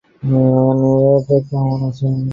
Linate কেমন আছে?